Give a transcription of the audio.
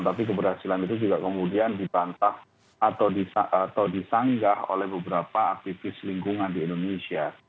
tapi keberhasilan itu juga kemudian dibantah atau disanggah oleh beberapa aktivis lingkungan di indonesia